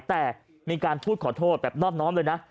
แต่มีการพูดขอโทษแบบนอบน้อมเลยนะ